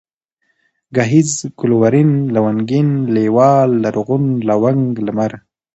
گهيځ ، گلورين ، لونگين ، لېوال ، لرغون ، لونگ ، لمر